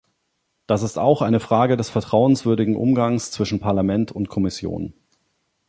Das ist auch eine Frage des vertrauenswürdigen Umgangs zwischen Parlament und Kommission.